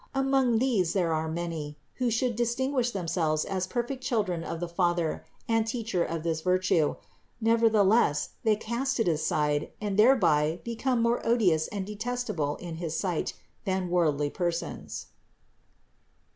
Among these there are many, who should distinguish themselves as perfect children of the Father and Teacher of this virtue; never theless they cast it aside and thereby become more odious and detestable in his sight than worldly persons.